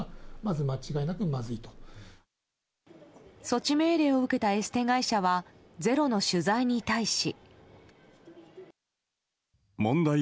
措置命令を受けたエステ会社は「ｚｅｒｏ」の取材に対し。